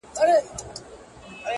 سم ليونى سوم ـ